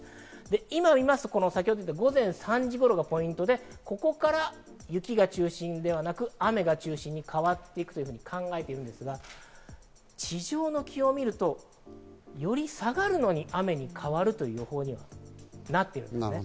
今見ますと、午後３時頃がポイントで、ここから雪が中心ではなく、雨が中心に変わっていくと考えているんですが地上の気温を見ると、より下がるのに、雨に変わるという予報になっているんですね。